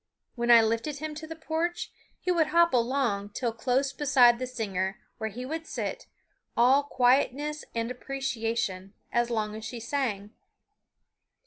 When I lifted him to the porch he would hop along till close beside the singer, where he would sit, all quietness and appreciation, as long as she sang.